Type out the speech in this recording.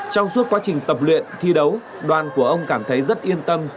trong suốt quá trình tập luyện thi đấu đoàn của ông cảm thấy rất yên tâm